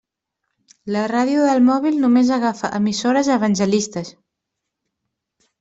La ràdio del mòbil només agafa emissores evangelistes.